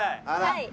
はい！